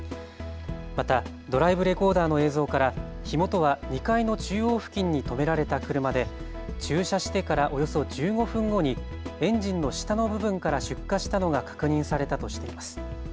またドライブレコーダーの映像から火元は２階の中央付近に止められた車で駐車してからおよそ１５分後にエンジンの下の部分から出火したのが確認されたとしています。